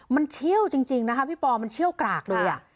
มันเชี่ยวจริงนะคะพี่ปอมันเชี่ยวกรากเลยอ่ะ